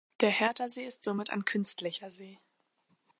Der Herthasee ist somit ein künstlicher See.